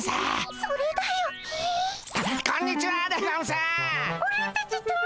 それだよっ。